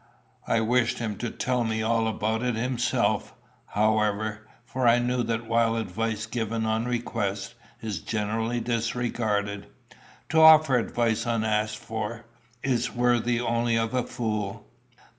I wished him to tell me all about it himself, however, for I knew that while advice given on request is generally disregarded, to offer advice unasked is worthy only of a fool.